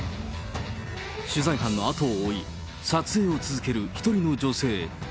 取材班の後を追い、撮影を続ける１人の女性。